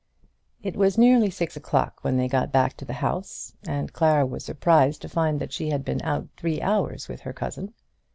It was nearly six o'clock when they got back to the house, and Clara was surprised to find that she had been out three hours with her cousin.